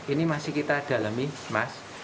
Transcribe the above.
ini masih kita dalami mas